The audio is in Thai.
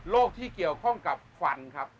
ที่เกี่ยวข้องกับควันครับ